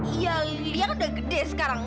iya dia kan udah gede sekarang